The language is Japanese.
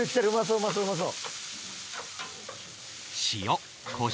うまそううまそう！